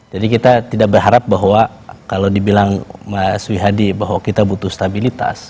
jadi kita tidak berharap bahwa kalau dibilang mas wihadi bahwa kita butuh stabilitas